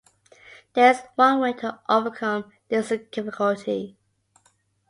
There is one way to overcome this difficulty.